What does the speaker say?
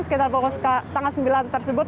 sekitar pukul setengah sembilan tersebut